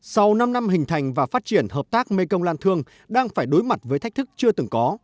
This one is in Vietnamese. sau năm năm hình thành và phát triển hợp tác mekong lan thương đang phải đối mặt với thách thức chưa từng có